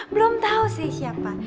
belum tau saya siapa